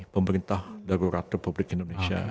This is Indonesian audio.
pemerintah darurat republik indonesia